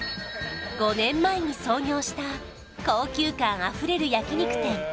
５年前に創業した高級感あふれる焼肉店